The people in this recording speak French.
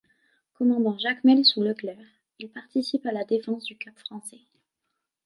Commandant Jacmel sous Leclerc, il participe à la défense du Cap Français.